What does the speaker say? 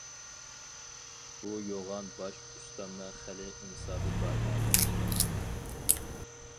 بۇ يوغان باش ئۇستامنىڭ خېلى ئىنسابى بار ئادەم ئىكەن.